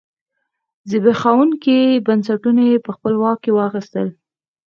زبېښونکي بنسټونه یې په خپل واک کې واخیستل.